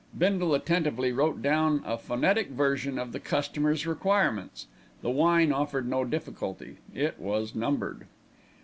Bindle attentively wrote down a phonetic version of the customer's requirements. The wine offered no difficulty, it was numbered.